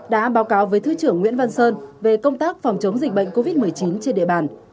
đã báo cáo với thứ trưởng nguyễn văn sơn về công tác phòng chống dịch bệnh covid một mươi chín trên địa bàn